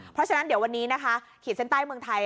เพราะฉะนั้นเดี๋ยววันนี้นะคะขีดเส้นใต้เมืองไทย